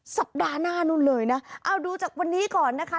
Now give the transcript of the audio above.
สัปดาห์หน้านู้นเลยนะเอาดูจากวันนี้ก่อนนะคะ